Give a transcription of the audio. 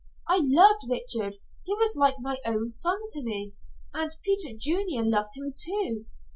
I loved Richard. He was like my own son to me and Peter Junior loved him, too.